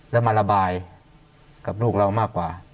แล้วมาระบายกับลูกเรามากกว่า